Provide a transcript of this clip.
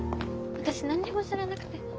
私何にも知らなくて。